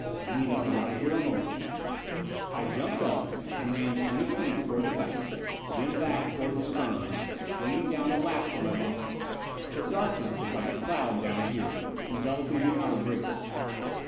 "Anita, lie here a moment." I jumped up and ran twenty feet toward the bow; then back, toward the stern, flinging down the last of my bombs. The darkness was like a cloud down there, enveloping the outer brigands.